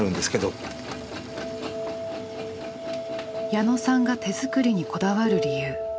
矢野さんが手作りにこだわる理由。